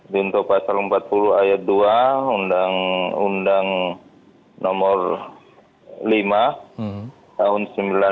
junto pasal empat puluh ayat dua undang undang nomor lima tahun seribu sembilan ratus sembilan puluh lima